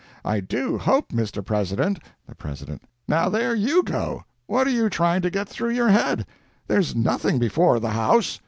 I do hope, Mr. President ." The President—"Now, there YOU go! What are you trying to get through your head?—there's nothing before the house."